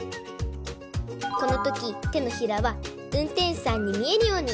このときてのひらはうんてんしゅさんにみえるように！